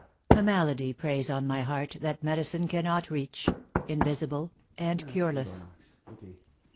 "A malady Preys on my heart that medicine cannot reach, Invisible and cureless."